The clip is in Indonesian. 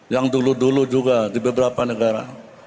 yang dulu dulu juga di beberapa negara